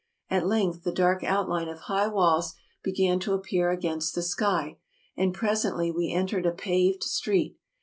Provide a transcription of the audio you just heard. At length the dark outline of high walls began to appear against the sky, and presently we entered a paved street.